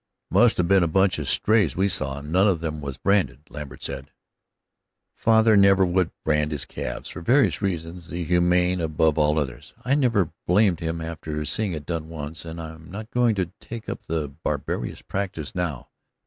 "It must have been a bunch of strays we saw none of them was branded," Lambert said. "Father never would brand his calves, for various reasons, the humane above all others. I never blamed him after seeing it done once, and I'm not going to take up the barbarous practice now.